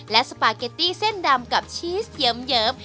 และสปาเกตตี้เส้นดำกับชีสเยิ้ม